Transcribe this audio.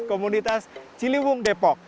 komunitas ciliwung depok